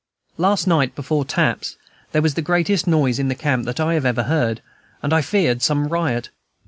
Last night, before "taps," there was the greatest noise in camp that I had ever heard, and I feared some riot.